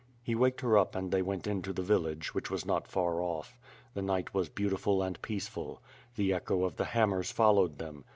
He waked her up and they w^ent into the village, which was not far off. The night was beautiful and peaceful. Tlie echo of the hammers followed them.